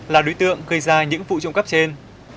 là đối tượng gây ra những vụ trộm cắp trên